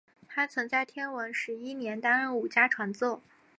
他曾在天文十一年担任武家传奏。